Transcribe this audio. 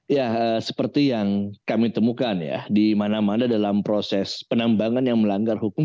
ya seperti yang kami temukan ya di mana mana dalam proses penambangan yang melanggar hukum